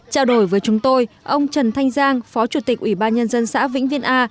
trao đổi với chúng tôi ông trần thanh giang phó chủ tịch ủy ban nhân dân xã vĩnh viên a